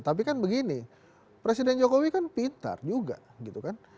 tapi kan begini presiden jokowi kan pintar juga gitu kan